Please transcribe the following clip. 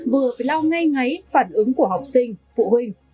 vừa phải lau ngay ngáy phản ứng của học sinh phụ huynh